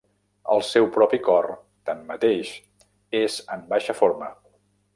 El seu propi cor, tanmateix, és en baixa forma.